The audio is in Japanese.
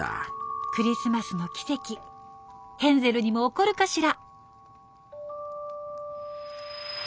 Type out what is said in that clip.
クリスマスの奇跡ヘンゼルにも起こるかしら。